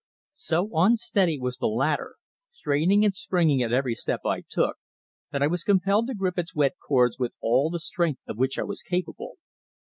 SO unsteady was the ladder, straining and springing at every step I took, that I was compelled to grip its wet cords with all the strength of which I was capable.